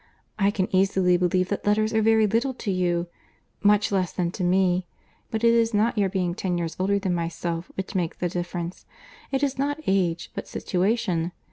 I can easily believe that letters are very little to you, much less than to me, but it is not your being ten years older than myself which makes the difference, it is not age, but situation.